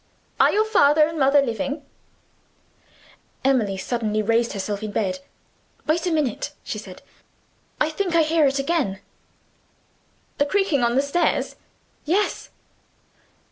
"Are your father and mother alive?" Emily suddenly raised herself in bed. "Wait a minute," she said; "I think I hear it again." "The creaking on the stairs?" "Yes."